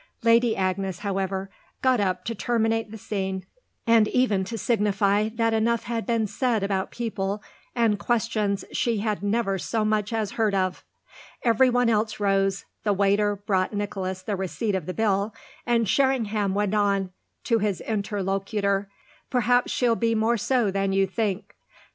Lady Agnes, however, got up to terminate the scene and even to signify that enough had been said about people and questions she had never so much as heard of. Every one else rose, the waiter brought Nicholas the receipt of the bill, and Sherringham went on, to his interlocutor: "Perhaps she'll be more so than you think."